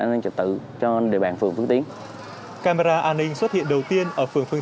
an ninh trật tự cho địa bàn phường phương tính camera an ninh xuất hiện đầu tiên ở phường phương